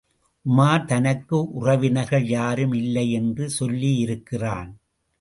உமார் தனக்கு உறவினர்கள் யாரும் இல்லையென்று சொல்லியிருக்கிறான்.